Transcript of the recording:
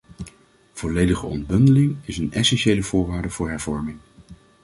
Volledige ontbundeling is een essentiële voorwaarde voor hervorming.